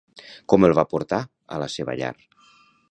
Com el va portar a la seva llar?